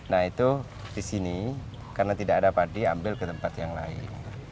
nah itu di sini karena tidak ada padi ambil ke tempat yang lain